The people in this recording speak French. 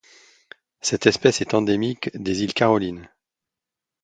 Cette espèce est endémique des îles Carolines.